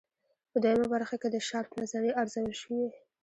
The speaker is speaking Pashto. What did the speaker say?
په دویمه برخه کې د شارپ نظریه ارزول شوې.